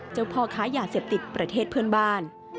พ่อค้ายาเสพติดประเทศเพื่อนบ้าน